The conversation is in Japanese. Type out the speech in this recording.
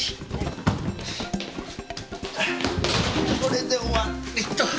これで終わりと。